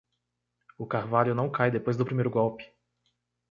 O carvalho não cai depois do primeiro golpe.